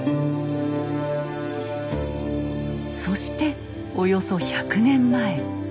そしておよそ１００年前。